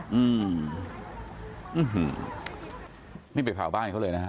อื้อหือนี่ไปเผ่าบ้านเขาเลยนะ